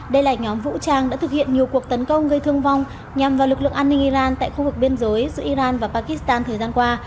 đây là nhóm vũ trang đã thực hiện nhiều cuộc tấn công gây thương vong nhằm vào lực lượng an ninh iran tại khu vực biên giới giữa iran và pakistan thời gian qua